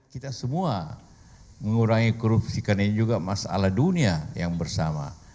kita semua mengurangi korupsi karena ini juga masalah dunia yang bersama